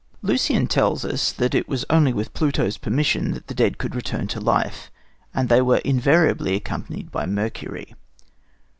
Lucian tells us that it was only with Pluto's permission that the dead could return to life, and they were invariably accompanied by Mercury.